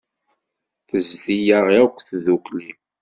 Tezdi-yaɣ akk tdukli.